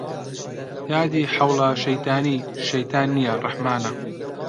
یادی حەوڵا شەیتانی شەیتان نیە ڕەحمانە